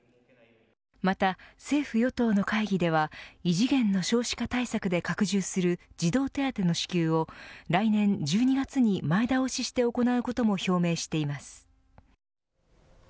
また政府、与党の会議では異次元の少子化対策で拡充する児童手当の支給を来年１２月に前倒しして行うことも表明しています。